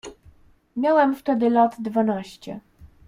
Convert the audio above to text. "Miałem wtedy lat dwanaście."